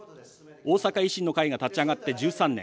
大阪維新の会が立ち上がって１３年。